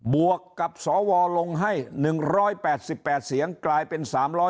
วกกับสวลงให้๑๘๘เสียงกลายเป็น๓๕